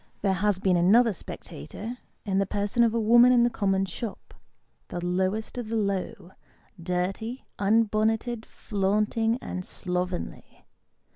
There has been another spectator, in the person of a woman in the common shop ; the lowest of the low ; dirty, unbonneted, flaunting, and slovenly.